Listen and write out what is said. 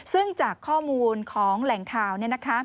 ซึ่งจากข้อมูลของแหล่งข่าว